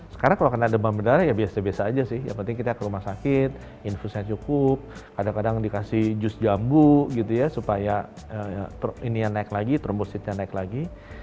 sekarang kalau kena demam berdarah ya biasa biasa aja sih yang penting kita ke rumah sakit infusnya cukup kadang kadang dikasih jus jambu gitu ya supaya ini yang naik lagi trombositnya naik lagi